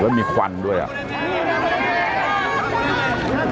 แล้วมีควันด้วยอ่ะ